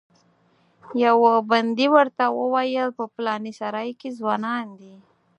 یوه پندي ورته وویل په پلانې سرای کې ځوانان دي.